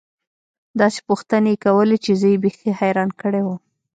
داسې پوښتنې يې کولې چې زه يې بيخي حيران کړى وم.